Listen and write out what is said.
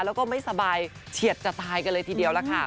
แล้วก็ไม่สบายเฉียดจะตายกันเลยทีเดียวล่ะค่ะ